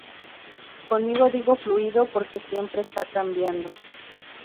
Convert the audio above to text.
Conmigo digo fluido porque siempre está cambiando".